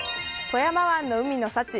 富山湾の海の幸